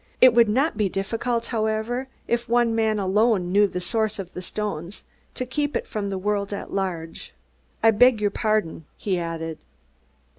It would not be difficult, however, if one man alone knew the source of the stones, to keep it from the world at large. I beg your pardon," he added.